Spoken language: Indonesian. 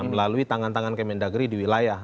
melalui tangan tangan kementerian negeri di wilayah